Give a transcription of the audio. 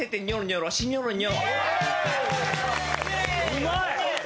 うまい！